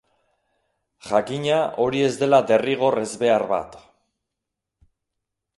Jakina hori ez dela derrigor ezbehar bat.